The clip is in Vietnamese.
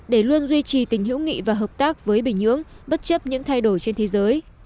để luôn duy trì tình hữu nghị và hợp tác với bình nhưỡng bất chấp những thay đổi trên thế giới